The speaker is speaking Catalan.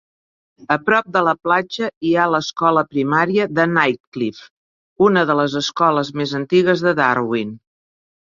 A prop de la platja hi ha l'escola primària de Nightcliff, una de les escoles més antigues de Darwin.